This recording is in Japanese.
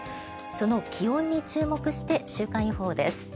その気温に注目して週間予報です。